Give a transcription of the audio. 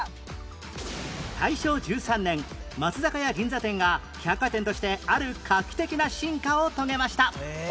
大正１３年松坂屋銀座店が百貨店としてある画期的な進化を遂げました